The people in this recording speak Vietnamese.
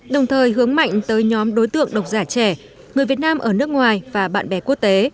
đồng thời hướng mạnh tới nhóm đối tượng độc giả trẻ người việt nam ở nước ngoài và bạn bè quốc tế